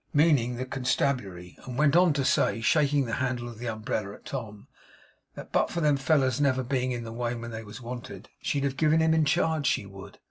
meaning the constabulary and went on to say, shaking the handle of the umbrella at Tom, that but for them fellers never being in the way when they was wanted, she'd have given him in charge, she would.